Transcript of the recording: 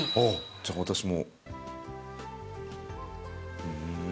じゃあ私も。